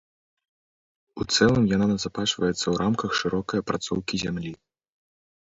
У цэлым яна назапашваецца ў рамках шырокай апрацоўкі зямлі.